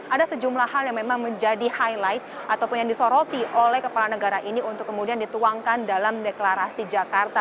ada sejumlah hal yang memang menjadi highlight ataupun yang disoroti oleh kepala negara ini untuk kemudian dituangkan dalam deklarasi jakarta